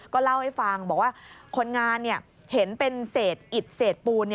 ก็เล่าให้ฟังบอกว่าคนงานเห็นเป็นเศษอิดเศษปูน